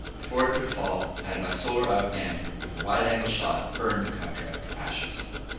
Before it could fall, I had my Solar out and, with a wide angle shot, burned the contract to ashes.